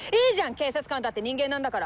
警察官だって人間なんだから。